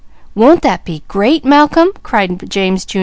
"Won't that be great, Malcolm?" cried James Jr.